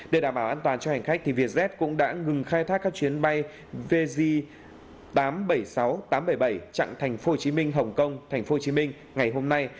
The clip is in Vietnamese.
để đảm bảo an toàn cho hành khách vietjet cũng đã ngừng khai thác các chuyến bay vj tám trăm bảy mươi sáu tám trăm bảy mươi bảy chặn tp hcm hồng kông tp hcm ngày hôm nay